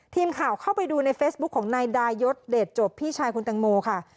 ทีมข่าวเข้าไปดูในเฟซบุ๊คของนายดายศเดชจบพี่ชายคุณตังโมค่ะ